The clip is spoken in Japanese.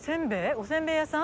おせんべい屋さん？